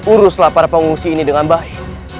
uruslah para pengungsi ini dengan baik